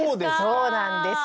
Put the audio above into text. そうなんですよ。